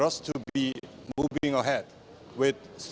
untuk kita bergerak ke depan